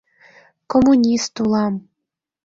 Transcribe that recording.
Коммунист улам.